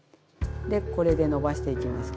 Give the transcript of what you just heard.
でこれでのばしていきます。